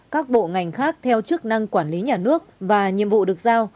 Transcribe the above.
các bộ ngành khác theo chức năng quản lý nhà nước và nhiệm vụ được giao